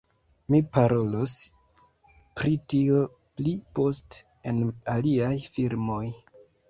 Mi parolos pri tio pli poste en aliaj filmoj